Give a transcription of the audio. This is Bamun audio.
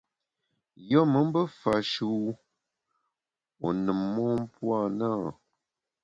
Yùe me mbe fash’e wu wu nùm mon puo a na ?